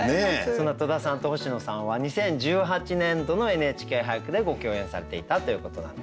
そんな戸田さんと星野さんは２０１８年度の「ＮＨＫ俳句」でご共演されていたということなんですが。